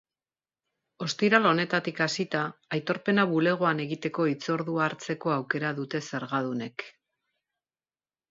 Ostiral honetatik hasita, aitorpena bulegoan egiteko hitzordua hartzeko aukera dute zergadunek.